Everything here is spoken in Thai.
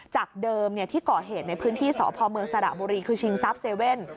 จากเดิมที่ก่อเหตุในพื้นที่สพเมืองสระบุรีคือชิงทรัพย์๗๑๑